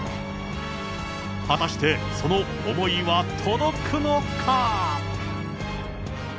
果たして、その思いは届くのか。